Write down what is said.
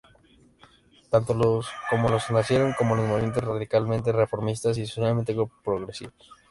Tanto los como el nacieron como movimientos radicalmente reformistas y socialmente progresivos.